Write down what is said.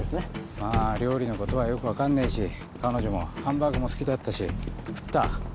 まぁ料理のことはよく分かんねえし彼女もハンバーグも好きだったし食った。